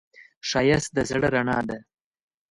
ښایست د زړه رڼا ده